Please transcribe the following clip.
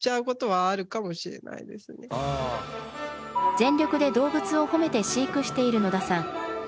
全力で動物をほめて飼育している野田さん。